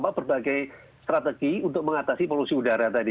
berbagai strategi untuk mengatasi polusi udara tadi